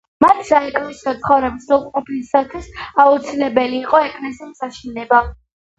მათი საეკლესიო ცხოვრების სრულყოფისათვის აუცილებელი იყო ეკლესიის აშენება.